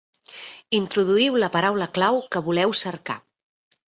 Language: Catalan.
Introduïu la paraula clau que voleu cercar.